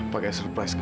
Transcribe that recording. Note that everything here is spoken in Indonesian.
pakai surprise segala